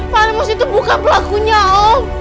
pak lemos itu bukan pelakunya om